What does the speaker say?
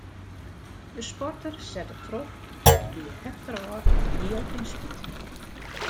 De sporter sette troch en hie efterôf alhiel gjin spyt.